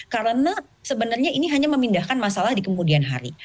karena sebenarnya ini hanya memindahkan masalah di kemudian hari